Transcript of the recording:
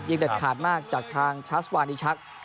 ยิงเด็ดขาดมากจากทางชาติสวานอีชัก